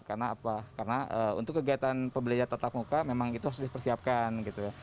karena untuk kegiatan pembelian tetap muka memang itu harus dipersiapkan